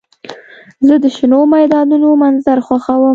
زه د شنو میدانونو منظر خوښوم.